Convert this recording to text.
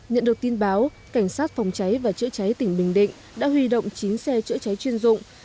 nhận được tin báo cảnh sát phòng cháy và chữa cháy tỉnh bình định đã huy động chín xe chữa cháy chuyên dụng